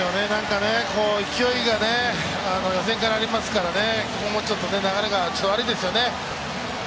勢いが予選からありますからここもちょっと流れが悪いですよね。